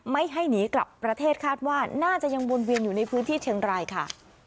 ไม่ให้หนีกลับประเทศคาดว่าน่าจะยังวนเวียนอยู่ในพื้นที่เชียงรายค่ะ